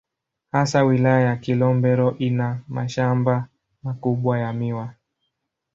Hasa Wilaya ya Kilombero ina mashamba makubwa ya miwa.